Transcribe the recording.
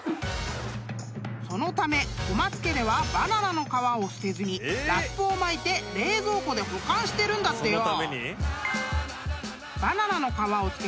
［そのため小松家ではバナナの皮を捨てずにラップを巻いて冷蔵庫で保管してるんだってよ］